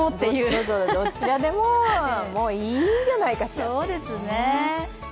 そう、どちらでももういいんじゃないかしら？